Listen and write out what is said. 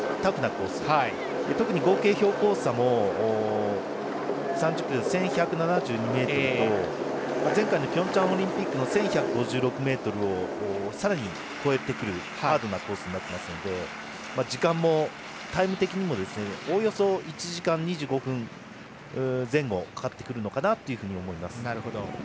特に合計標高差も３０ｋｍで１１７２ｍであり前回のピョンチャンオリンピックの１１５６ｍをさらに超えてくるハードなコースになってますので時間もタイム的にもおおよそ１時間２５分前後かかってくるのかなと思います。